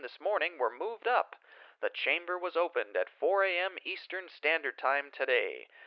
this morning were moved up. The chamber was opened at 4 a.m. Eastern Standard Time today.